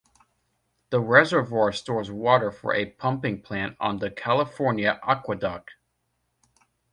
The reservoir stores water for a pumping plant on the California Aqueduct.